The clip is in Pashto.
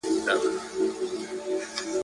غمګین مه راته زنګېږه مه را شمېره خپل دردونه ..